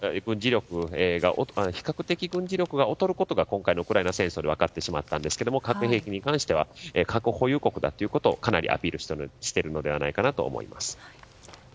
比較的、軍事力が劣ることが今回のウクライナ戦争で分かってしまったんですが核兵器に関しては核保有国だということをアピールしているのではないかと思います。